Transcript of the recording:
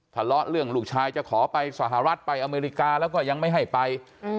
ทะเลาะเรื่องลูกชายจะขอไปสหรัฐไปอเมริกาแล้วก็ยังไม่ให้ไป